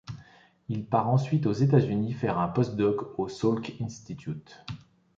Il part ensuite aux États-Unis faire un post-doc au Salk Institute.